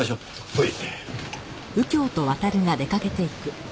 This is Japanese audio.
はい。